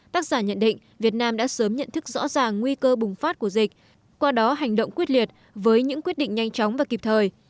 tác giả nhận định việt nam đã sớm nhận thức rõ ràng nguy cơ bùng phát của dịch qua đó hành động quyết liệt với những quyết định nhanh chóng và kịp thời